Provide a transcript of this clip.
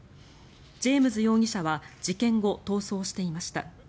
ジェームズ容疑者は事件後、逃走していました。